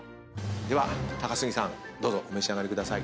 では高杉さんどうぞお召し上がりください。